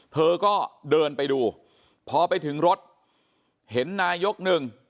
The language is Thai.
เธอก็เดินไปดูพอไปถึงรถเห็นนายกหนึ่ง